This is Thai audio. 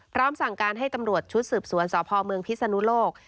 พร้อมสั่งการให้ตำรวจชุดสืบสวนสพเมืองพิศนุโลก